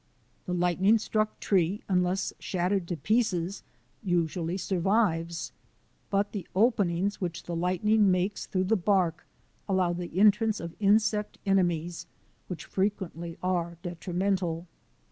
The lightning struck tree, unless shattered to pieces, usually survives, but the openings which the lightning makes through the bark allow the entrance of insect enemies which frequently are detrimental.